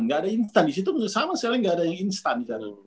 nggak ada instan di situ sama sekali nggak ada yang instan